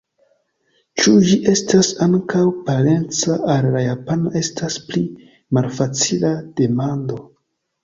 Ĉu ĝi estas ankaŭ parenca al la japana estas pli malfacila demando.